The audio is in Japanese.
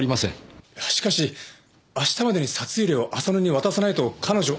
しかし明日までに札入れを浅野に渡さないと彼女。